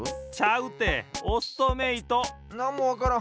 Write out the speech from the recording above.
なんもわからん。